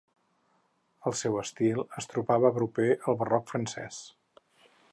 El seu estil es trobava proper al barroc francès.